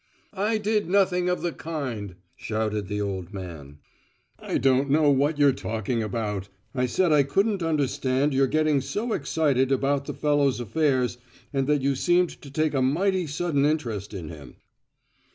"I did nothing of the kind," shouted the old man. "I don't know what you're talking about. I said I couldn't understand your getting so excited about the fellow's affairs and that you seemed to take a mighty sudden interest in him."